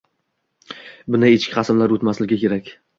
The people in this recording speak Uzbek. Bunday echki qasamlar oʻtmasligi kerak.